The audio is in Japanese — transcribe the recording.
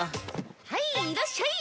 はいいらっしゃい！